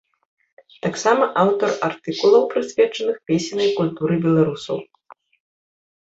Таксама аўтар артыкулаў, прысвечаных песеннай культуры беларусаў.